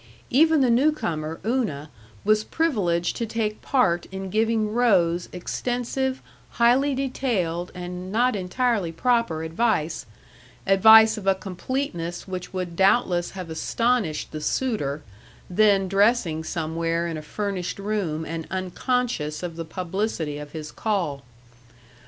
Even the new comer, Una, was privileged to take part in giving Rose extensive, highly detailed, and not entirely proper advice advice of a completeness which would doubtless have astonished the suitor, then dressing somewhere in a furnished room and unconscious of the publicity of his call.